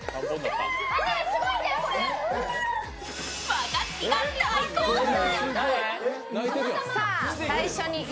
若槻が大興奮。